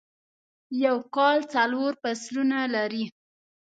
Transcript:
یوکال څلور فصلونه لری